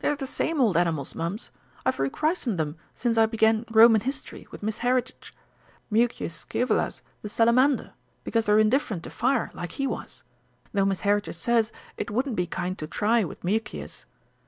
"They're the same old animals, Mums. I've rechristened them since I began Roman History with Miss Heritage. Mucius Scævola's the Salamander, because they're indifferent to fire, like he was though Miss Heritage says it wouldn't be kind to try with Mucius.